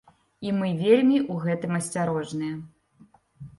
І мы вельмі ў гэтым асцярожныя.